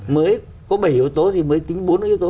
mới có bảy yếu tố thì mới tính bốn yếu tố